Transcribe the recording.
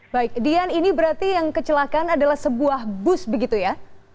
baik dian ini berarti yang kecelakaan adalah sebuah bus begitu ya